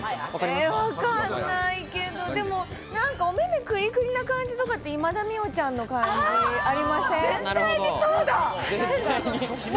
わかんないけれど、でも、おめめクリクリな感じとかって、今田美桜ちゃんの感じあり絶対にそうだ！